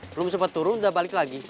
belum sempat turun udah balik lagi